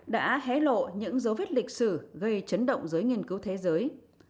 đã hé lộ những dấu vết lịch sử gây chấn động giới nghiên cứu thế giới